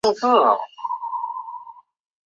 普拉迪耶尔。